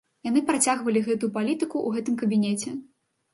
Яны працягвалі гэту палітыку ў гэтым кабінеце.